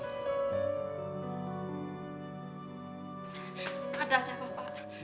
tidak ada siapa pak